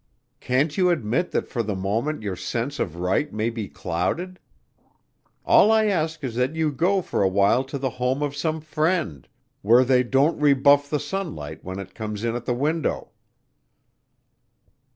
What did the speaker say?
"Can't you admit that for the moment your sense of right may be clouded? All I ask is that you go for a while to the home of some friend, where they don't rebuff the sunlight when it comes in at the window."